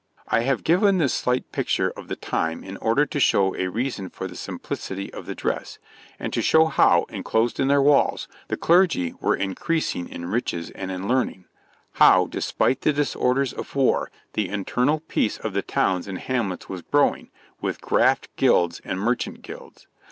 I have given this slight picture of the time in order to show a reason for the simplicity of the dress, and to show how, enclosed in their walls, the clergy were increasing in riches and in learning; how, despite the disorders of war, the internal peace of the towns and hamlets was growing, with craft gilds and merchant gilds.